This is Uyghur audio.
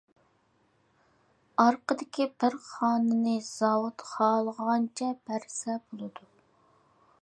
ئارقىدىكى بىر خانىنى زاۋۇت خالىغانچە بەرسە بولىدۇ.